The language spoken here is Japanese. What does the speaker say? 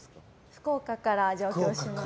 福岡から上京します。